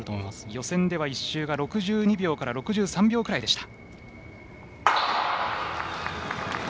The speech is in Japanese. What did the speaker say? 予選では１周が６２秒から６３秒ぐらいでした。